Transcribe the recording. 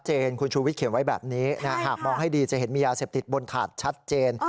คุณชูวิทเขียนไว้แบบนี้หากมองให้ดีจะเห็นมียาเสพติดบนถาดชัดเจน